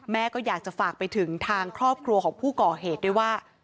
ก็อยากจะฝากไปถึงทางครอบครัวของผู้ก่อเหตุด้วยว่า